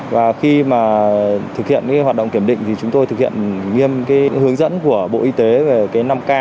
và khi thực hiện hoạt động kiểm định thì chúng tôi thực hiện nghiêm hướng dẫn của bộ y tế về năm k